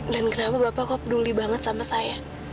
dan kenapa bapak sangat peduli pada saya